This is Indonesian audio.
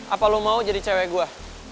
apa lo mau jadi cewek gue